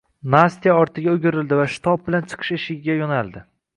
Nastya ortiga oʻgirildi va shitob bilan chiqish eshigiga yoʻnaldi.